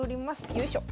よいしょ。